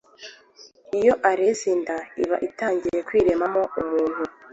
Iyo arenze inda iba yatangiye kwiremamo umuntu